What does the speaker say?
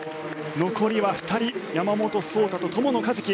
残りは２人山本草太と友野一希。